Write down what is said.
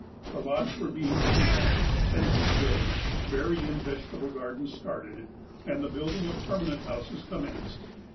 The lots were being cleared, fences built, berry and vegetable gardens started, and the building of permanent houses commenced.